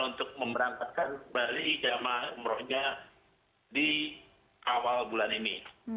untuk memberangkatkan kembali jemaah umrohnya di awal bulan ini